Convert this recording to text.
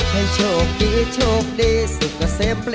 ให้โชคดีโชคดีนะครับ